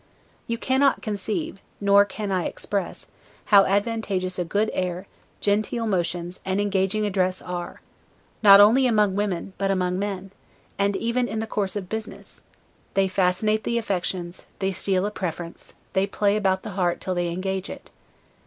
You cannot conceive, nor can I express, how advantageous a good air, genteel motions, and engaging address are, not only among women, but among men, and even in the course of business; they fascinate the affections, they steal a preference, they play about the heart till they engage it.